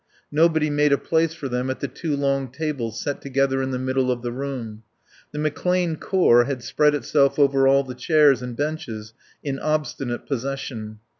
Nobody made a place for them at the two long tables set together in the middle of the room. The McClane Corps had spread itself over all the chairs and benches, in obstinate possession.